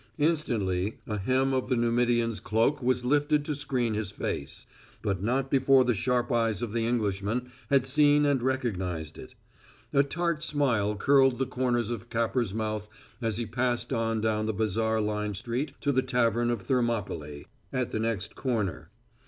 Instantly a hem of the Numidian's cloak was lifted to screen his face, but not before the sharp eyes of the Englishman had seen and recognized it. A tart smile curled the corners of Capper's mouth as he passed on down the bazaar lined street to the Tavern of Thermopylæ, at the next corner.